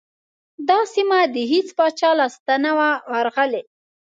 دا سیمه د هیڅ پاچا لاسته نه وه ورغلې.